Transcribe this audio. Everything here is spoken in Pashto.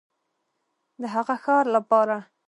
د هغه ښار لپاره